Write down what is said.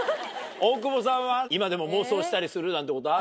大久保さんは今でも妄想したりするなんてことある？